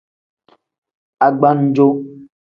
Agbannjo.